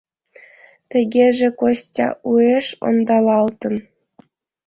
Тыгеже Костя уэш ондалалтын.